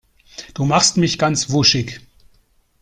Du machst mich ganz wuschig.